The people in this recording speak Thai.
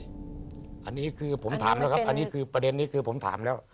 อเจมส์อันนี้คือผมถามแล้วครับประเด็นนี้คือผมถามแล้ว